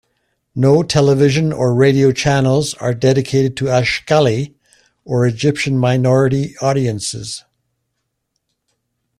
No television or radio channels are dedicated to Askhali or Egyptian minority audiences.